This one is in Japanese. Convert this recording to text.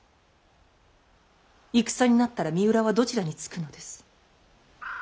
戦になったら三浦はどちらにつくのです。